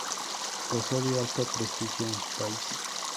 Gozó de alto prestigio en su país.